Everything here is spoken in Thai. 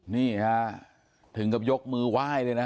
นี่ฮะถึงกับยกมือไหว้เลยนะฮะ